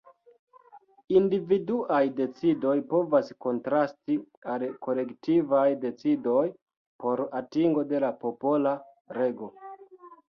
Individuaj decidoj povas kontrasti al kolektivaj decidoj por atingo de popola rego.